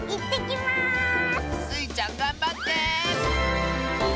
スイちゃんがんばって！